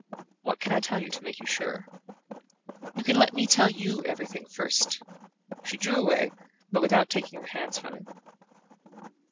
"What can I tell you to make you sure?" "You can let me tell YOU everything first." She drew away, but without taking her hands from him.